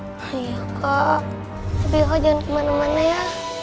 iya kak tapi kakak jangan kemana mana ya